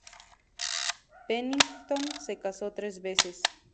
Pennington se casó tres veces.